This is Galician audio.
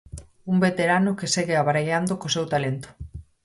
Un veterano que segue abraiando co seu talento.